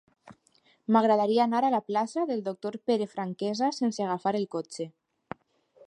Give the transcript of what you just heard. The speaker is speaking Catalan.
M'agradaria anar a la plaça del Doctor Pere Franquesa sense agafar el cotxe.